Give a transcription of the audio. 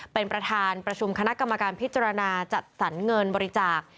เป็นประธานประชุมคณะกรรมการพิจารณาจัดสรรเงินบริจาค